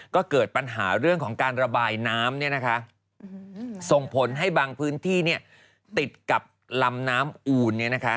ก็เกิดปัญหาเรื่องของการระบายน้ำส่งผลให้บางพื้นที่ติดกับลำน้ำอูน